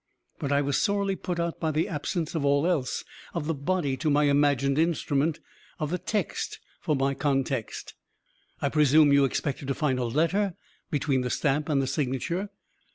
But I was sorely put out by the absence of all else of the body to my imagined instrument of the text for my context." "I presume you expected to find a letter between the stamp and the signature."